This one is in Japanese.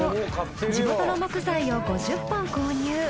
地元の木材を５０本購入。